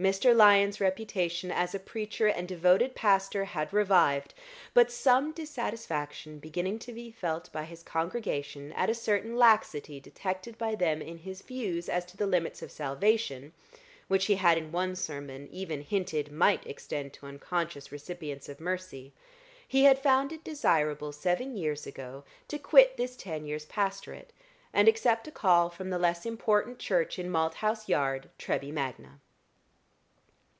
Mr. Lyon's reputation as a preacher and devoted pastor had revived; but some dissatisfaction beginning to be felt by his congregation at a certain laxity detected by them in his views as to the limits of salvation, which he had in one sermon even hinted might extend to unconscious recipients of mercy, he had found it desirable seven years ago to quit this ten years' pastorate and accept a call from the less important church in Malthouse Yard, Treby Magna.